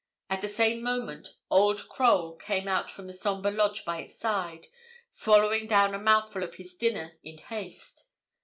At the same moment old Crowle came out of the sombre lodge by its side, swallowing down a mouthful of his dinner in haste.